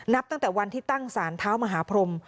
นับตั้งแต่วันที่ตั้งสารเท้ามหาพรม